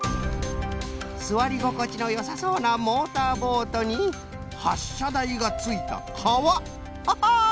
すわりごこちのよさそうなモーターボートにはっしゃだいがついたかわ！